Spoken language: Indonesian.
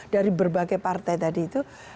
dari berbagai partai tadi itu